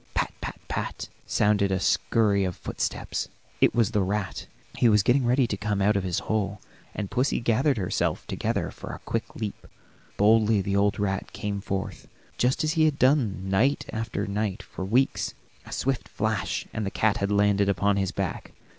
"Pat, pat, pat," sounded a scurry of footsteps; it was the rat. He was getting ready to come out of his hole, and pussy gathered herself together for a quick leap. Boldly the old rat came forth, just as he had done night after night for weeks. A swift flash, and the cat had landed upon his back.